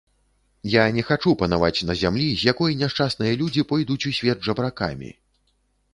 Я не хачу панаваць на зямлі, з якой няшчасныя людзі пойдуць у свет жабракамі.